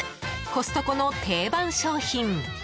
コストコの定番商品。